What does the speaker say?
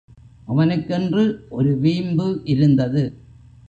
அவனுக்கென்று ஒரு வீம்பு இருந்தது.